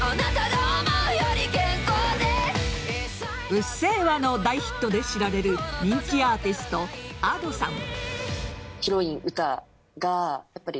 「うっせぇわ」の大ヒットで知られる人気アーティストＡｄｏさん。